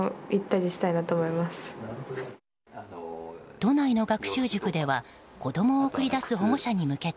都内の学習塾では子供を送り出す保護者に向けて